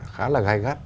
khá là gai gắt